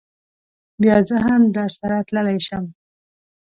بیا زه هم درسره تللی شم.